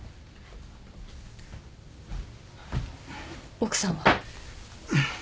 奥さんは？